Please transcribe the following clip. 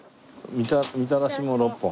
みたらしも６本。